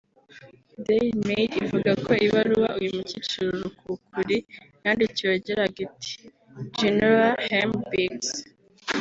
Daily Mail ivuga ko ibaruwa uyu mukecuru rukukuri yandikiwe yagiraga iti “Genora Hamm Biggs